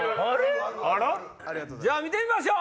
じゃあ見てみましょう！